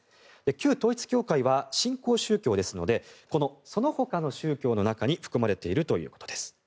旧統一教会は新興宗教ですのでこのそのほかの宗教の中に含まれているということです。